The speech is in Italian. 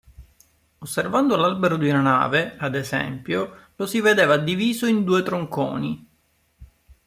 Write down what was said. Osservando l'albero di una nave, ad esempio, lo si vedeva diviso in due "tronconi".